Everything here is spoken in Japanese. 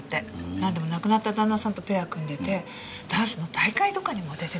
なんでも亡くなった旦那さんとペア組んでてダンスの大会とかにも出てたんだって。